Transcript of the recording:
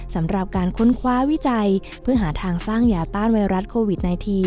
สำหรับการค้นคว้าวิจัยเพื่อหาทางสร้างยาต้านไวรัสโควิด๑๙